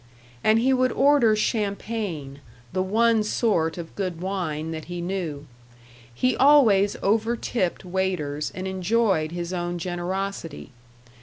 And he would order champagne, the one sort of good wine that he knew. He always overtipped waiters and enjoyed his own generosity.